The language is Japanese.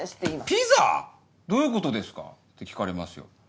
「ピザ⁉どういうことですか？」って聞かれますよ。